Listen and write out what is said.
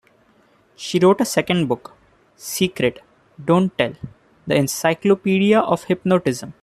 She wrote a second book, "Secret, Don't Tell: The Encyclopedia of Hypnotism".